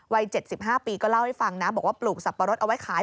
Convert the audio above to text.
วัย๗๕ปีก็เล่าให้ฟังนะบอกว่าปลูกสับปะรดเอาไว้ขาย